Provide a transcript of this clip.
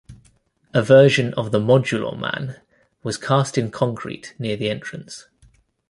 A version of the Modulor Man was cast in concrete near the entrance.